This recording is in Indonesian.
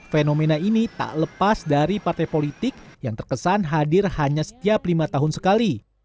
fenomena ini tak lepas dari partai politik yang terkesan hadir hanya setiap lima tahun sekali